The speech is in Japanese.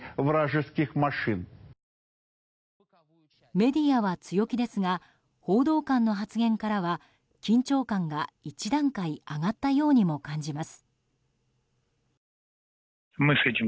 メディアは強気ですが報道官の発言からは緊張感が１段階上がったようにも感じます。